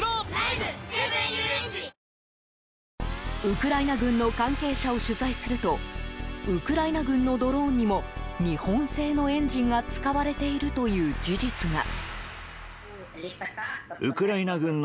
ウクライナ軍の関係者を取材するとウクライナ軍のドローンにも日本製のエンジンが使われているという事実が。